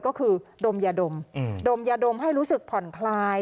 ก็คือดมยาดมดมยาดมให้รู้สึกผ่อนคลาย